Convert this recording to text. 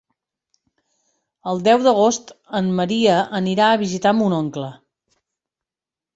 El deu d'agost en Maria anirà a visitar mon oncle.